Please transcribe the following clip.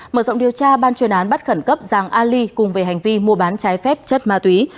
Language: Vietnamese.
mở rộng điều tra ban chuyên án bắt khẩn cấp giàng ali cùng về hành vi mua bán trái phép chất ma túy